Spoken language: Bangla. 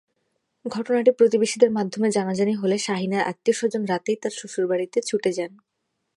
ঘটনাটি প্রতিবেশীদের মাধ্যমে জানাজানি হলে শাহিনার আত্মীয়স্বজন রাতেই তাঁর শ্বশুরবাড়িতে ছুটে যান।